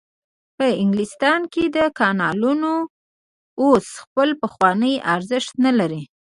په انګلستان کې کانالونو اوس خپل پخوانی ارزښت نلري.